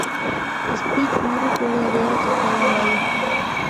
Spike no recuerda haber atacado a nadie.